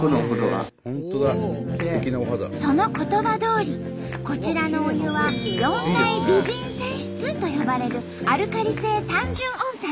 その言葉どおりこちらのお湯は「四大美人泉質」と呼ばれるアルカリ性単純温泉。